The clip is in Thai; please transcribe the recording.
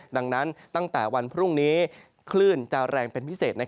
ดังนั้นตั้งแต่วันพรุ่งนี้คลื่นจะแรงเป็นพิเศษ